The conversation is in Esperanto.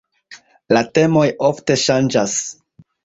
La temoj ofte ŝanĝas.